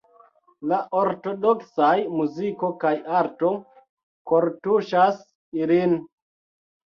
La ortodoksaj muziko kaj arto kortuŝas ilin.